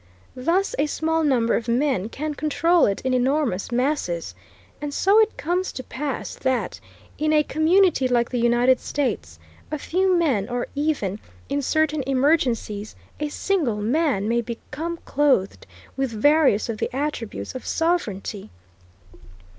Thus a small number of men can control it in enormous masses, and so it comes to pass that, in a community like the United States, a few men, or even, in certain emergencies, a single man, may become clothed with various of the attributes of sovereignty.